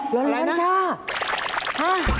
ร้อนร้อนช่าหรือเปล่าอะไรนะห้ะ